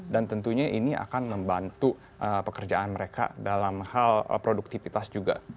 dan tentunya ini akan membantu pekerjaan mereka dalam hal produktivitas juga